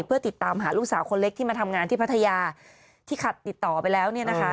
เพื่อติดตามหาลูกสาวคนเล็กที่มาทำงานที่พัทยาที่ขัดติดต่อไปแล้วเนี่ยนะคะ